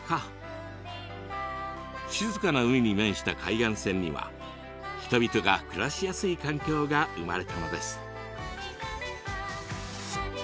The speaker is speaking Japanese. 静かな海に面した海岸線には人々が暮らしやすい環境が生まれたのです。